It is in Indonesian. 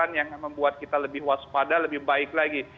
yang membuat kita lebih waspada lebih baik lagi